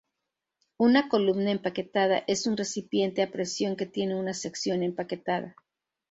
Una columna empaquetada es un recipiente a presión que tiene una sección empaquetada.